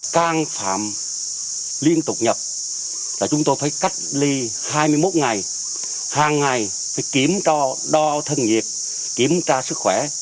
các phạm liên tục nhập chúng tôi phải cách ly hai mươi một ngày hàng ngày phải kiểm tra đo thân nghiệp kiểm tra sức khỏe